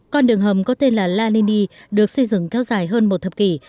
con đường hầm có tên là la lini được xây dựng kéo dài hơn một thập kỷ